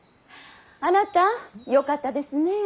あなたよかったですねえ。